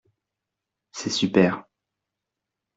C’est super.